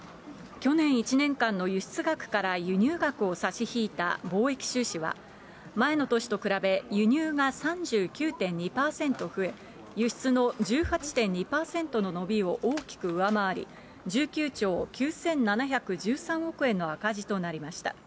去年１年間の輸出額から輸入額を差し引いた貿易収支は、前の年と比べ輸入が３９．２％増え、輸出の１８．２％の伸びを大きく上回り、１９兆９７１３億円の赤字となりました。